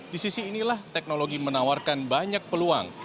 di sisi inilah teknologi menawarkan banyak peluang